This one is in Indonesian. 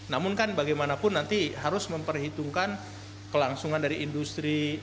namun kan bagaimanapun nanti harus memperhitungkan kelangsungan dari industri